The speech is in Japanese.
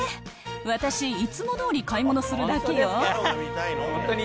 私、いつもどおり買い物するだけよ。